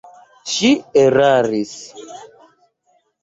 Ŝi eraris.